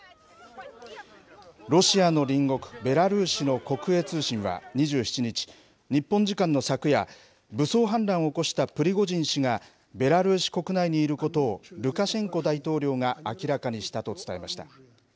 ロシアの隣国、ベラルーシの国営通信は２７日、日本時間の昨夜、武装反乱を起こしたプリゴジン氏がベラルーシ国内にいることをルカシェンコ大統領が明らかにしたと伝えました。